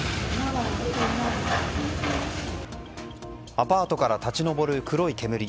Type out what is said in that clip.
アパートから立ち上る黒い煙。